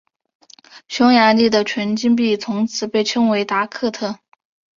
匈牙利的纯金币从此被称为达克特。